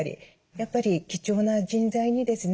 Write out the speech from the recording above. やっぱり貴重な人材にですね